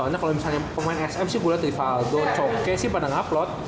soalnya kalau misalnya pemain sm sih gue liat trivaldo cokke sih pada nge upload